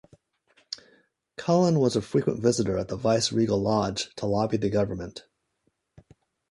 Cullen was a frequent visitor at the vice-regal lodge to lobby the government.